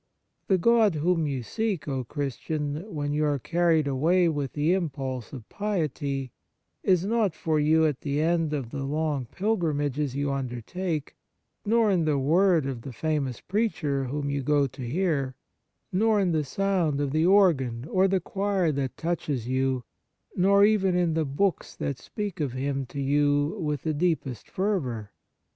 The God whom you seek, O Christian, when you are carried away with the impulse of piety, is not for you at the end of the long pilgrimages you undertake, nor in the word of the famous preacher whom you go to hear, nor in the sound of the organ or the choir that touch you, nor even in the books that speak of Him to you with the deepest fervour.